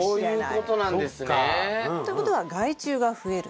そっか。ということは害虫が増える。